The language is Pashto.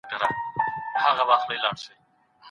ما ته د خپل وراره د زده کړو په اړه په تفصیل خبره وکړه.